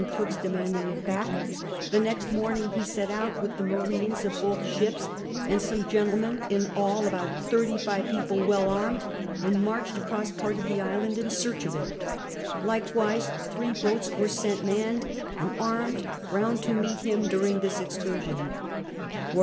Vmk's demanding it hiiek, the next morning he set out with the marines of botli ships and some X COOK IN A RAGE 127 gentlemen, in all about 35 people well armed, and marched across part of the island in search of it ; likewise three boiits ' were sent manned and armed round to meet him during this excursion.